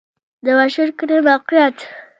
د واشر کلی موقعیت